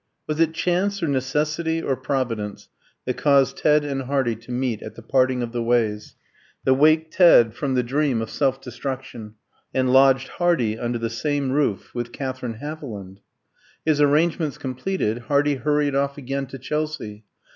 Was it Chance, or Necessity, or Providence, that caused Ted and Hardy to meet at the parting of the ways? that waked Ted from the dream of self destruction, and lodged Hardy under the same roof with Katherine Haviland? His arrangements completed, Hardy hurried off again to Chelsea.